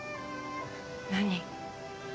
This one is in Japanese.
何？